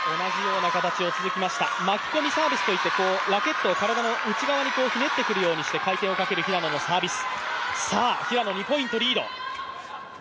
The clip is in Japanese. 巻き込みサービスといって、ラケットを内側にひねってくるようにして回転をかける平野のサービス。